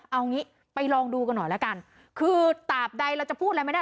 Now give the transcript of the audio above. เอางี้ไปลองดูกันหน่อยแล้วกันคือตาบใดเราจะพูดอะไรไม่ได้